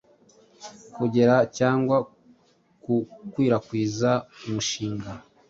kugera cyangwa gukwirakwiza umushinga